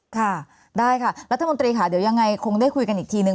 ค่ะได้ค่ะรัฐมนตรีค่ะเดี๋ยวยังไงคงได้คุยกันอีกทีนึง